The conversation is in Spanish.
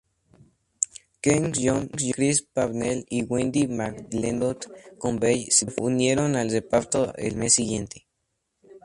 Ken Jeong, Chris Parnell y Wendi McLendon-Covey se unieron al reparto el mes siguiente.